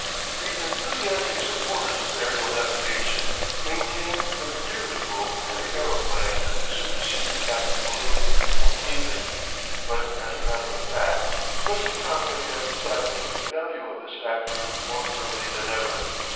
The enthusiastic supporters of aerial navigation maintained that the dirigible and the aeroplane would supersede the captive balloon completely. But as a matter of fact the present conflict has established the value of this factor more firmly than ever.